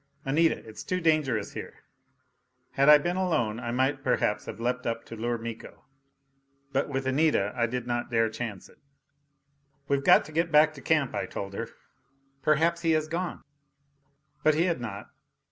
"Anita, it's too dangerous here!" Had I been alone, I might perhaps have leapt up to lure Miko. But with Anita I did not dare chance it. "We've got to get back to camp," I told her. "Perhaps he has gone " But he had not.